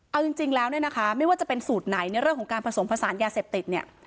เอาจริงแล้วเนี่ยนะคะไม่ว่าจะเป็นสูตรไหนในเรื่องของการผสมผสานยาเสพติดเนี่ย